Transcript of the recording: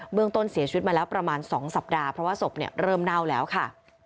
เมืองต้นเสียชีวิตมาแล้วประมาณ๒สัปดาห์เพราะว่าศพเริ่มเน่าแล้วค่ะ